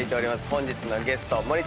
本日のゲスト。